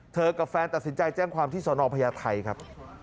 กับแฟนตัดสินใจแจ้งความที่สนพญาไทยครับ